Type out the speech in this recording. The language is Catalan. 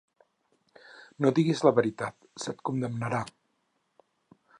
No diguis la veritat, se't condemnarà!